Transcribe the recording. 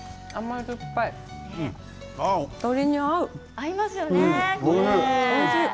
合いますよね。